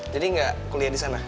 jadi gak kuliah disana